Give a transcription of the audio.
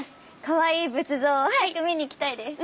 かわいい仏像早く見に行きたいです！